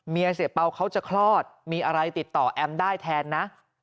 เสียเปล่าเขาจะคลอดมีอะไรติดต่อแอมได้แทนนะ